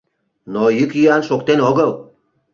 Но йӱк-йӱан шоктен огыл.